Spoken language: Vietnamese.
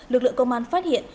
lực lượng công an phát hiện